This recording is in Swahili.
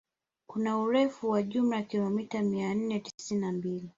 Kuna urefu wa jumla ya kilomita mia nne tisini na mbili